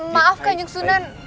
maaf kanjeng sunan